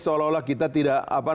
seolah olah kita tidak pro kebinekaan